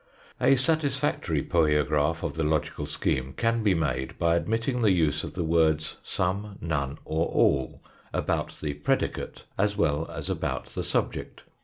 A satisfactory poiograph of the logical scheme can be made by admitting the use of the words some, none, or all, about the predicate as well as about the subject.